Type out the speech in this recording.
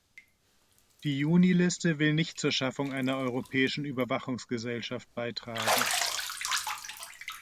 Die Juniliste will nicht zur Schaffung einer europäischen Überwachungsgesellschaft beitragen.